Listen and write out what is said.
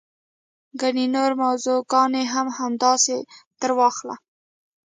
ګڼې نورې موضوع ګانې هم همداسې درواخله.